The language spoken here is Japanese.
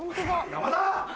山田！